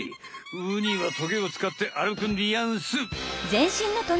ウニはトゲをつかって歩くんでやんす。